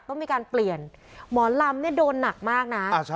ต้องมีการเปลี่ยนหมอลำเนี่ยโดนหนักมากนะ